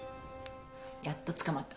やっとつかまった。